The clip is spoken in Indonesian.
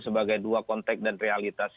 sebagai dua konteks dan realitas